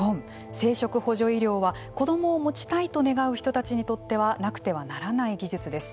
生殖補助医療は子どもを持ちたいと願う人たちにとってはなくてはならない技術です。